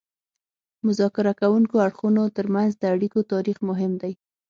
د مذاکره کوونکو اړخونو ترمنځ د اړیکو تاریخ مهم دی